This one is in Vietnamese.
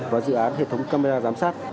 và dự án hệ thống camera giám sát